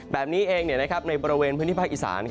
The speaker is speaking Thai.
แบบนี้เองในบริเวณพื้นที่ภาคอีสาน